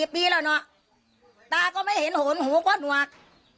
ปีแล้วเนอะตาก็ไม่เห็นหนหูก็หนวก